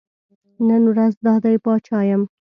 نن ورځ دا دی پاچا یم.